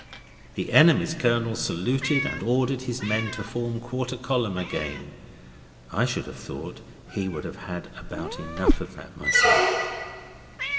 The enemy's Colonel saluted and ordered his men to form quarter column again. I should have thought he would have had about enough of that myself.